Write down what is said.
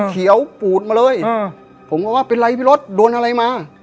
เขียวปูดมาเลยผมก็ว่าเป็นไรพี่รถโดนอะไรมา